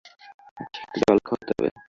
আচ্ছা, একটু জল খাও তবে।